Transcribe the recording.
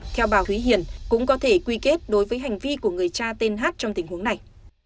theo bà thúy hiền cũng có thể quy kết đối với hành vi của người cha tên hát trong tình huống này